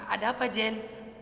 ada apa jen